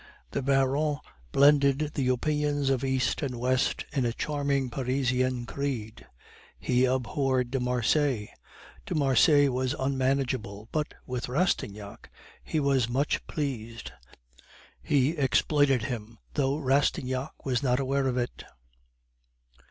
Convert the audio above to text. "The Baron blended the opinions of East and West in a charming Parisian creed. He abhorred de Marsay; de Marsay was unmanageable, but with Rastignac he was much pleased; he exploited him, though Rastignac was not aware of it.